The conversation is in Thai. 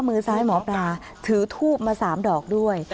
มือซ้ายหมอปลาถือทูบมา๓ดอกด้วย